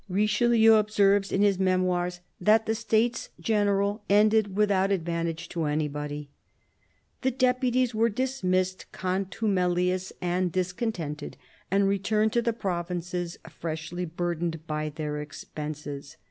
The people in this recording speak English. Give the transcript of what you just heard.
Richelieu observes in his Memoirs that the States General ended without advantage to anybody. The deputies were dismissed, contumelious and dis contented, and returned to the provinces freshly burdened by their expenses.